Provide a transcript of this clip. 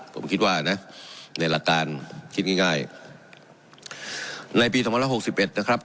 ผมคิดว่านะในหลักการคิดง่ายง่ายในปีสองพันร้อหกสิบเอ็ดนะครับ